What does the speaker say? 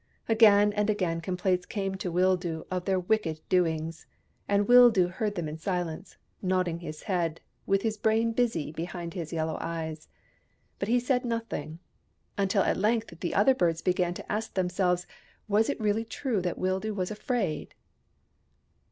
Again and again complaints came to Wildoo of their wicked doings, and Wildoo heard them in silence, nodding his head, with his brain busy behind his yellow eyes. But he said nothing : until at length the other birds began to ask themselves was it really true that Wildoo was afraid